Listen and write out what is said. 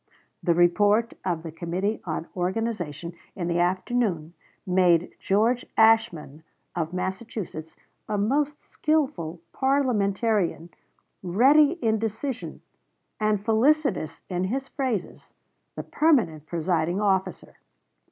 The report of the committee on organization in the afternoon made George Ashmun, of Massachusetts, a most skillful parliamentarian ready in decision and felicitous in his phrases, the permanent presiding officer.